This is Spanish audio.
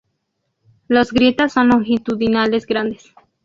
Los grietas son longitudinales grandes.